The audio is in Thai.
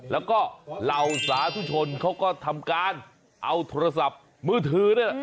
แล้วก็เหล่าสาธุชนเขาก็ทำการเอาโทรศัพท์มือถือนี่แหละ